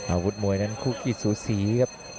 อาวุธมวยนั้นคู่ขี้สูสีครับ